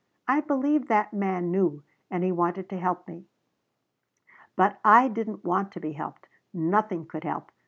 I believe that man knew. And wanted to help me. "But I didn't want to be helped. Nothing could help.